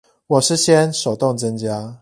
我是先手動增加